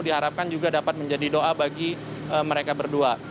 diharapkan juga dapat menjadi doa bagi mereka berdua